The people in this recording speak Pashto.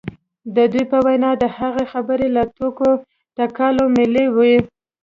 د دوی په وینا د هغه خبرې له ټوکو ټکالو ملې وې